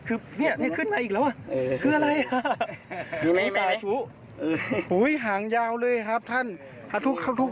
หล่ายอยู่ห้างอย่างครับทุก